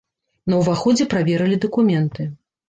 На ўваходзе праверылі дакументы.